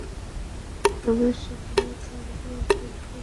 রমেশ সেখানেও তার ক্রীড়াশৈলী প্রদর্শন করেন।